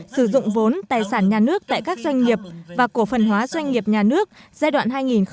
sử dụng vốn tài sản nhà nước tại các doanh nghiệp và cổ phần hóa doanh nghiệp nhà nước giai đoạn hai nghìn một mươi sáu hai nghìn một mươi tám